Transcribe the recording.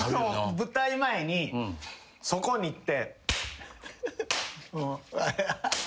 舞台前にそこに行って。